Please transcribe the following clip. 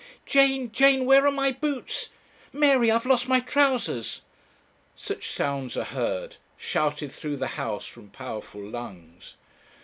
'Jane, Jane, where are my boots?' 'Mary, I've lost my trousers!' Such sounds are heard, shouted through the house from powerful lungs.